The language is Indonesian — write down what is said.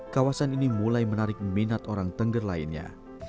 kawasan ini mulai menarik minat orang tengger lainnya